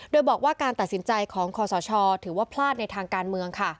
โดยบอกว่าการตัดสินใจของคอสชถือว่าพลาดในทางการเมือง